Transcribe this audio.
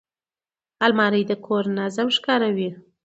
الماري د کور نظم ښکاروي